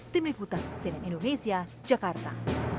tim liputan cnn indonesia jakarta